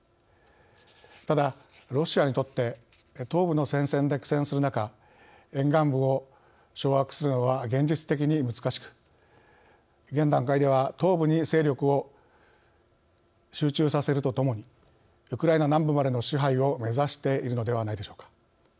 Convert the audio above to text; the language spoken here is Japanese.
ただロシアにとって東部の戦線で苦戦する中沿岸部を掌握するのは現実的に難しく現段階では東部に勢力を集中させるとともにウクライナ南部までの支配を目指しているのではないでしょうか。